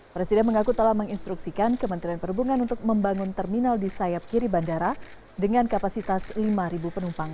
presiden mengaku telah menginstruksikan kementerian perhubungan untuk membangun terminal di sayap kiri bandara dengan kapasitas lima penumpang